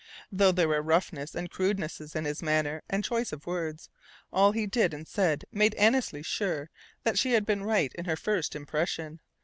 Though there were roughnesses and crudenesses in his manner and choice of words, all he did and said made Annesley sure that she had been right in her first impression.